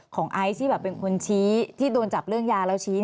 ไอซ์ที่แบบเป็นคนชี้ที่โดนจับเรื่องยาแล้วชี้